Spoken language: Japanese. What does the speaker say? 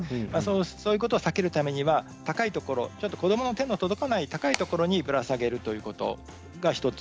そういうことを避けるために高いところ子どもの手の届かない高いところにぶら下げるということが１つ。